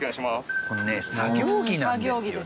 このね作業着なんですよね。